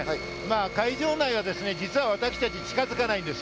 会場内は実は私たち、近づけないんです。